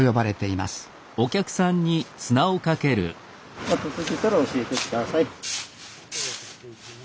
熱すぎたら教えて下さい。